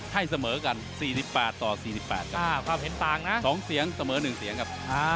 ให้เสมอกัน๔๘ต่อ๔๘ครับความเห็นต่างนะ๒เสียงเสมอ๑เสียงครับ